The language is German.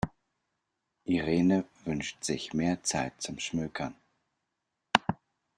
Irene wünscht sich mehr Zeit zum Schmökern.